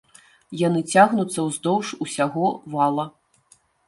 Яны цягнуцца ўздоўж усяго вала.